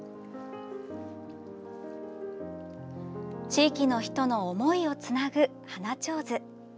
地域の人の思いをつなぐ花手水。